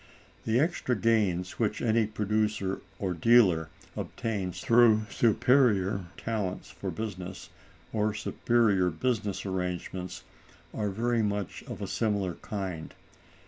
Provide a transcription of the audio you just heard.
The extra gains which any producer or dealer obtains through superior talents for business, or superior business arrangements, are very much of a similar kind.